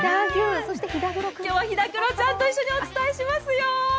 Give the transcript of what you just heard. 今日はひだくろちゃんと一緒にお伝えしますよ。